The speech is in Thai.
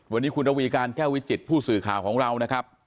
วันนี้คุณระวีการแก้ววิจิตผู้สื่อข่าวของเรานะครับ